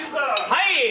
はい！